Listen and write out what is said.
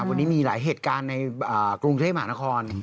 วันนี้มีหลายเหตุการณ์ในกรุงเทพมหานคร